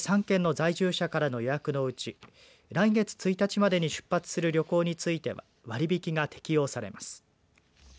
３県の在住者からの予約のうち来月１日までに出発する旅行については割引が適用されます。